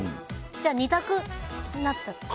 じゃあ、２択になった。